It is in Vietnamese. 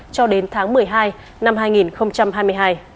cho đến tháng một mươi hai năm